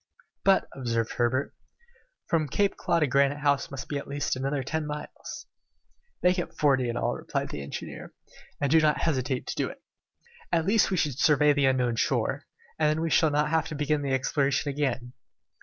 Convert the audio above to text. "But," observed Herbert, "from Claw Cape to Granite House there must be at least another ten miles." "Make it forty miles in all," replied the engineer, "and do not hesitate to do it. At least we should survey the unknown shore, and then we shall not have to begin the exploration again."